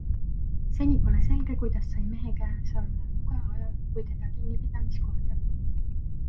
Seni pole selge, kuidas sai mehe käes olla nuga ajal, kui teda kinnipidamiskohta viidi.